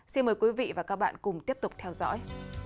xin mời quý vị và các bạn cùng tiếp tục theo dõi